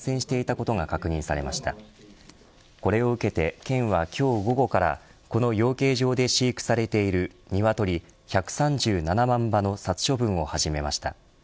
これを受けて県は今日午後からこの養鶏場で飼育されている鶏１３７万羽の殺処分を始めました。